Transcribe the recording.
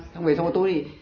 xong rồi sau tôi